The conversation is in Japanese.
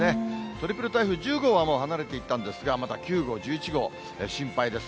トリプル台風、１０号はもう離れていったんですが、また９号、１１号、心配です。